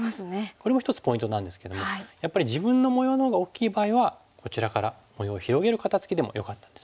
これも一つポイントなんですけどもやっぱり自分の模様のほうが大きい場合はこちらから模様を広げる肩ツキでもよかったんですね。